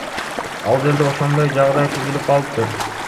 Ал жерде ошондой жагдай түзүлүп калыптыр.